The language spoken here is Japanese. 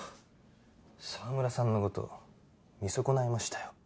澤村さんの事見損ないましたよ。